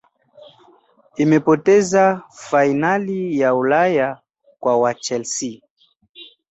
imepoteza fainali ya Ulaya kwa chelsea